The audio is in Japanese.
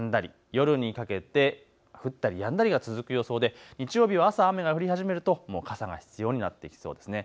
夜にかけて降ったりやんだりが続く予想で日曜日は朝、雨が降り始めるともう傘が必要になってきそうですね。